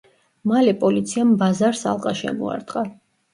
მალე პოლიციამ ბაზარს ალყა შემოარტყა.